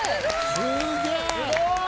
すげえ！